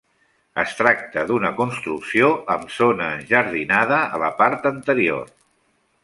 Es tracta d'una construcció amb zona enjardinada a la part anterior.